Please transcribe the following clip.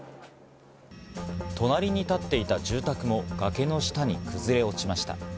隣に立っていた住宅も崖の下に崩れ落ちました。